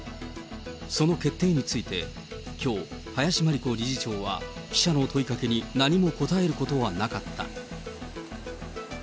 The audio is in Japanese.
その決定について、きょう、林真理子理事長は記者の問いかけに何も答えることはなかった。